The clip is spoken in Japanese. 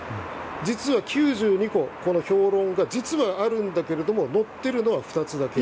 実は９２個評論があるんだけれども載っているのは２つだけ。